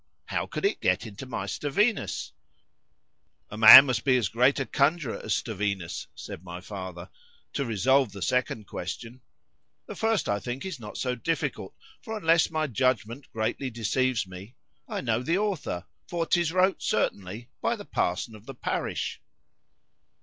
—How could it get into my Stevinus? A man must be as great a conjurer as Stevinus, said my father, to resolve the second question:—The first, I think, is not so difficult;—for unless my judgment greatly deceives me,——I know the author, for 'tis wrote, certainly, by the parson of the parish.